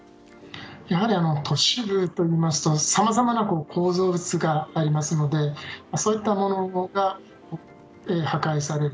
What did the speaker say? やはり都市部といいますとさまざまな構造物がありますのでそういったものが破壊されて。